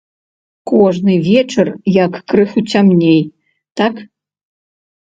Кожны вечар, як крыху цямней, так.